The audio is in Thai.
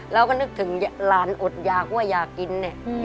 เราก็นึกถึงหลานอดอยากว่าอยากกินเนี่ย